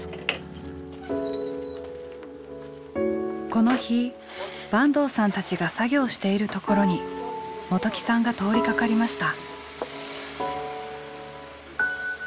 この日坂東さんたちが作業しているところに元起さんが通りかかりました。